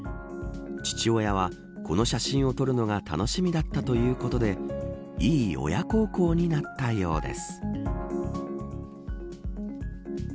父親は、この写真を撮るのが楽しみだったということでいい親孝行になったようです。